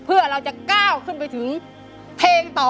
เพื่อเราจะก้าวขึ้นไปถึงเพลงต่อ